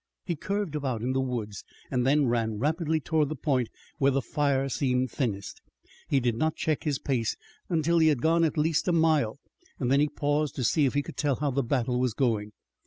He curved about in the woods and then ran rapidly toward the point where the fire seemed thinnest. He did not check his pace until he had gone at least a mile. Then he paused to see if he could tell how the battle was going.